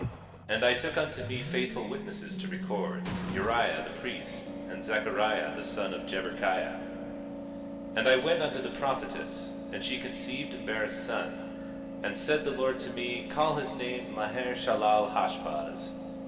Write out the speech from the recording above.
18:2 And I took unto me faithful witnesses to record, Uriah the priest, and Zechariah the son of Jeberechiah. 18:3 And I went unto the prophetess; and she conceived and bare a son. Then said the Lord to me: Call his name, Maher shalal hash baz.